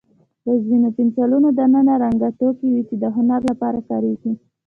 د ځینو پنسلونو دننه رنګینه توکي وي، چې د هنر لپاره کارېږي.